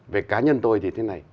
về cá nhân tôi thì thế này